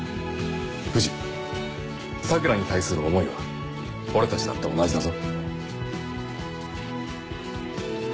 藤桜に対する思いは俺たちだって同じだぞ。